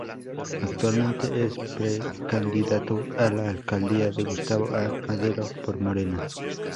Actualmente es precandidato a la Alcaldía de Gustavo A. Madero por Morena.